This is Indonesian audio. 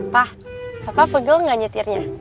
pak bapak pegel gak nyetirnya